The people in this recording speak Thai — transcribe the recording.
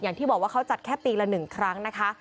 อย่างที่บอกว่าเขาจัดแค่ปีละ๑ครั้งนะคะ